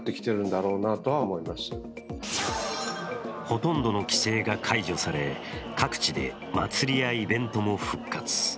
ほとんどの規制が解除され各地で祭りやイベントも復活。